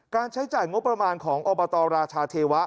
ใช้จ่ายงบประมาณของอบตราชาเทวะ